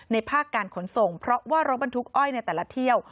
ภาคการขนส่งเพราะว่ารถบรรทุกอ้อยในแต่ละเที่ยว